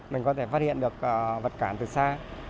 mình có thể phát hiện được vật cản từ xa